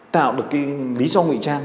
tạo được lý do nguyện trang